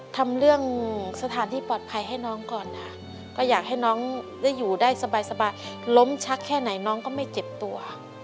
ทำเรื่องสถานที่ปลอดภัยให้น้องก่อนค่ะก็อยากให้น้องได้อยู่ได้สบายล้มชักแค่ไหนน้องก็ไม่เจ็บตัว